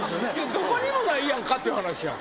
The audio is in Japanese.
どこにもないやんかって話やんか。